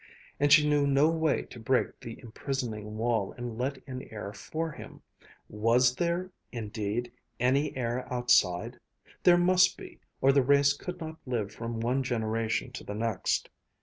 And she knew no way to break the imprisoning wall and let in air for him. Was there, indeed, any air outside? There must be, or the race could not live from one generation to the next.